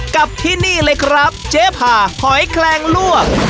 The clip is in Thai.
กับที่นี่เลยครับเจ๊พาหอยแคลงลวก